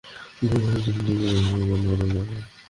কিন্তু এতে কুরাইশরা তেমন লাভবান হল না।